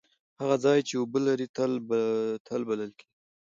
هغه ځای چې اوبه لري تل بلل کیږي.